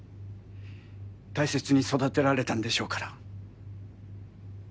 大切に育てられたんでしょうから。